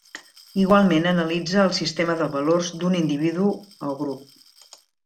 Igualment analitza el sistema de valors d'un individu o grup.